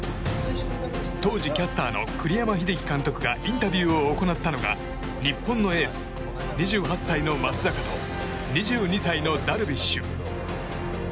当時、キャスターの栗山英樹監督がインタビューを行ったのが日本のエース、２８歳の松坂と２２歳のダルビッシュ。